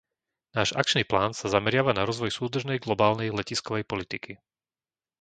Náš akčný plán sa zameriava na rozvoj súdržnej globálnej letiskovej politiky.